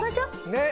ねっ。